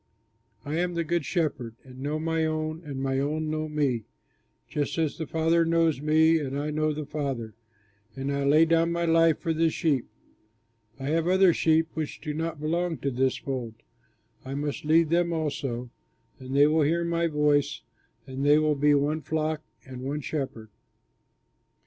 "I am the Good Shepherd and know my own, and my own know me, just as the Father knows me and I know the Father, and I lay down my life for the sheep. I have other sheep which do not belong to this fold; I must lead them also, and they will hear my voice, and they will be one flock and one shepherd."